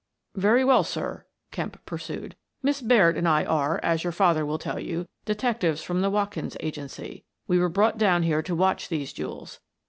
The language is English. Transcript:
" Very well, sir," Kemp pursued. " Miss Baird and I are, as your father will tell you, detectives from the Watkins Agency. We were brought down here to watch these jewels.